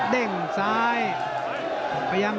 เด้งซ้าย